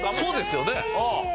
そうですよね。